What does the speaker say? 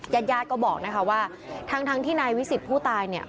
ญาติญาติก็บอกนะคะว่าทั้งที่นายวิสิทธิ์ผู้ตายเนี่ย